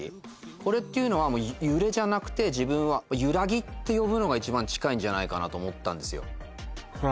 これっていうのは揺れじゃなくて自分はゆらぎって呼ぶのが一番近いんじゃないかなと思ったんですよ